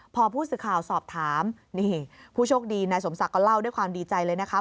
พอผู้สื่อข่าวสอบถามนี่ผู้โชคดีนายสมศักดิ์ก็เล่าด้วยความดีใจเลยนะคะ